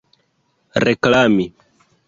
reklami